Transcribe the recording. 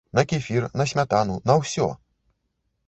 На кефір, на смятану, на ўсё!